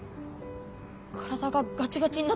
体がガチガチになって。